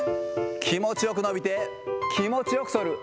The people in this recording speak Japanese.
気持ちよく伸びて、気持ちよく反る。